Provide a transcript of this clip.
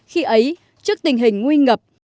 khi ấy trước tình hình nguy ngập